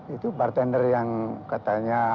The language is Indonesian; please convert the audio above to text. itu bartender yang katanya